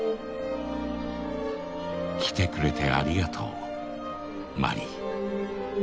来てくれてありがとうマリィ。